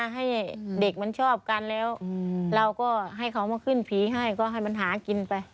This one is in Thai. ให้เด็กมันชอบกันแล้วเราก็ให้เขามาขึ้นผีให้ก็ให้มันหากินไป